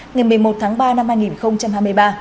ngày một mươi một tháng ba năm hai nghìn hai mươi ba